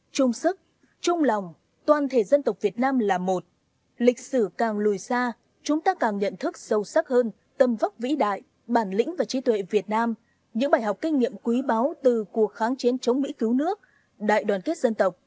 trung sức trung lòng toàn thể dân tộc việt nam là một lịch sử càng lùi xa chúng ta càng nhận thức sâu sắc hơn tâm vóc vĩ đại bản lĩnh và trí tuệ việt nam những bài học kinh nghiệm quý báu từ cuộc kháng chiến chống mỹ cứu nước đại đoàn kết dân tộc